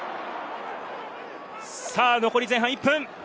残り前半１分。